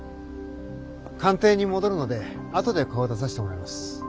官邸に戻るので後で顔出させてもらいます。